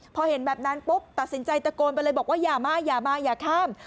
พอเห็นแบบนั้นปุ๊บตัดสินใจตะโกนไปเลยบอกว่าอย่ามาอย่ามาอย่าข้าม